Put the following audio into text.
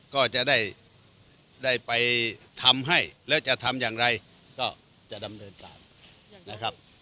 ก็จะได้ไปทำให้แล้วจะทำอย่างไรก็จะดำเนินตามนะครับ